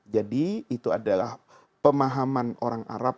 jadi itu adalah pemahaman orang arab